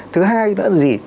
thứ hai nữa là gì